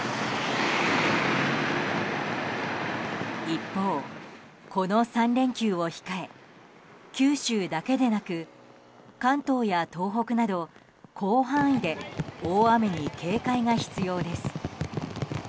一方、この３連休を控え九州だけでなく関東や東海など広範囲で大雨に警戒が必要です。